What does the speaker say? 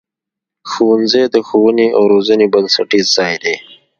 ښوونځی د ښوونې او روزنې بنسټیز ځای دی.